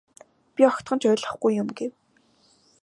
Би огтхон ч ойлгохгүй юм гэв.